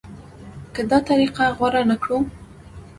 که دا طریقه غوره نه کړو.